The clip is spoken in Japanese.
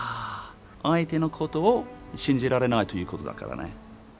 相手のことを信じられないということだからね。